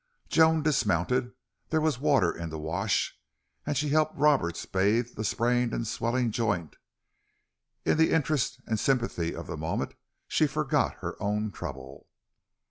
Joan dismounted. There was water in the wash, and she helped Roberts bathe the sprained and swelling joint. In the interest and sympathy of the moment she forgot her own trouble.